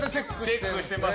チェックしてます。